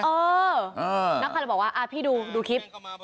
เออนักฆาตบอกว่าพี่ดูดูคลิป